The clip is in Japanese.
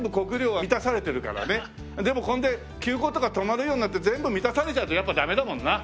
でもこれで急行とか止まるようになって全部満たされちゃうとやっぱダメだもんな。